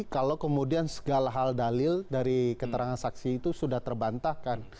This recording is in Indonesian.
kalau kemudian segala hal dalil dari keterangan saksi itu sudah terbantahkan